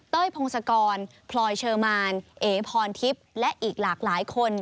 พงศกรพลอยเชอร์มานเอพรทิพย์และอีกหลากหลายคน